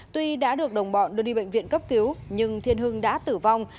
tuy đã được đồng bọn đưa đi bệnh viện cấp cứu nhưng thiên hưng đã tử vong